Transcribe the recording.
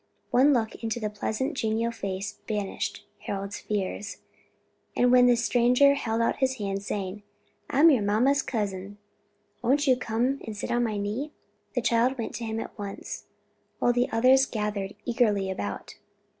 One look into the pleasant, genial face, banished Harold's fears, and when the stranger held out his hand, saying, "I am your mamma's cousin, won't you come and sit on my knee?" the child went to him at once; while the others gathered eagerly about.